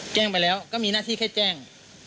แจ้งไปแล้วก็มีหน้าที่แค่แจ้ง